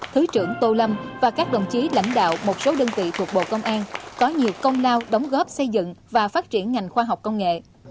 thứ trưởng tô lâm và các đồng chí lãnh đạo một số đơn vị thuộc bộ công an có nhiều công lao đóng góp xây dựng và phát triển ngành khoa học công nghệ